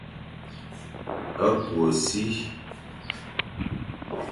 Ku e si.